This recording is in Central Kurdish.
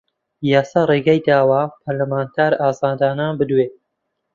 یاسا ڕێگەی داوە پەرلەمانتار ئازادانە بدوێ